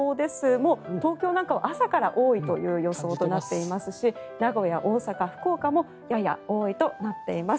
もう東京なんかは朝から多いという予想ですし名古屋、大阪、福岡もやや多いとなっています。